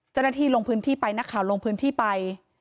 เจ้าหน้าที่ลงพื้นที่ไป